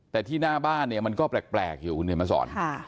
แต่ที่หน้าบ้านเนี่ยมันก็แปลกอยู่คุณเห็นมาสอน